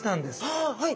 ああはい。